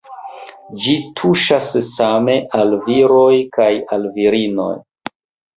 Ĝi tuŝas same al viroj kaj al virinoj.